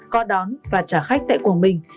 có đón và trả khách tại quảng bình